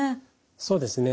そうですね。